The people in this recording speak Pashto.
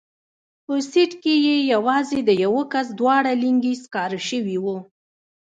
په سيټ کښې يې يوازې د يوه کس دواړه لينگي سکاره سوي وو.